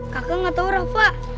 kakak enggak tahu rafa